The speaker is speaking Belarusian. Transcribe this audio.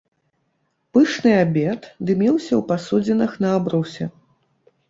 Пышны абед дыміўся ў пасудзінах на абрусе.